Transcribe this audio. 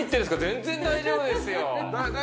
全然大丈夫ですよ！